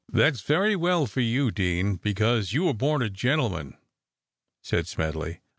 "That's very well for you, Deane, because you were born a gentleman," said Smedley.